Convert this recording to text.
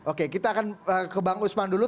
oke kita akan ke bang usman dulu